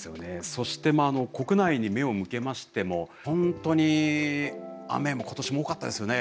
そして国内に目を向けましても本当に雨も今年も多かったですよね。